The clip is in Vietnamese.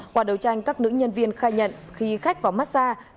qua đấu tranh các nữ nhân viên khai nhận khi khách vào massage